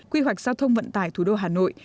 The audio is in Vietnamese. quy hoạch giao thông vận tải thủ đô hà nội